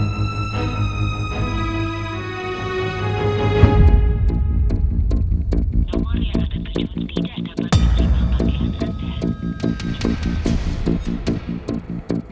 aku mau ke rumahnya